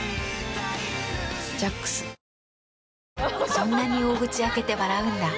そんなに大口開けて笑うんだ。